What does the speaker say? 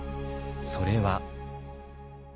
それは。